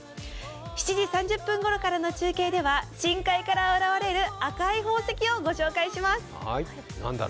７時３０分ごろからの中継では深海から現れる赤い宝石をご紹介します。